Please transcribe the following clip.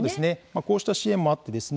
こうした支援もあってですね